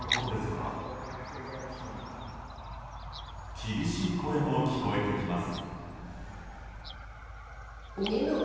厳しい声も聞こえてきます。